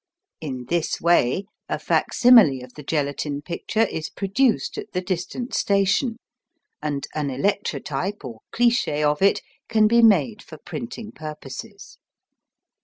In this way a facsimile of the gelatine picture is produced at the distant station, and an electrotype or cliche of it can be made for printing purposes.